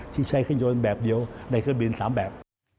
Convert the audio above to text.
ที่ใช้เครื่องยนต์แบบเดียวในเครื่องบิน๓แบบ